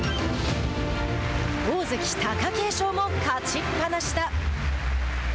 大関・貴景勝も勝ちっぱなしだ。